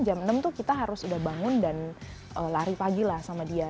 jam enam tuh kita harus udah bangun dan lari pagi lah sama dia